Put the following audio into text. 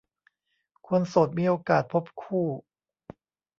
คนโสดมีโอกาสพบคู่